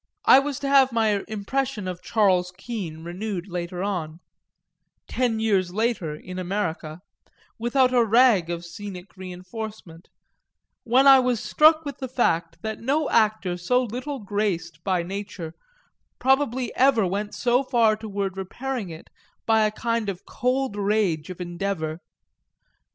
I was to have my impression of Charles Kean renewed later on ten years later, in America without a rag of scenic reinforcement; when I was struck with the fact that no actor so little graced by nature probably ever went so far toward repairing it by a kind of cold rage of endeavour.